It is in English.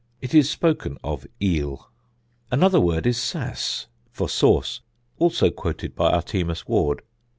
It is spoken of eel.' Another word is 'sass' (for sauce), also quoted by Artemus Ward....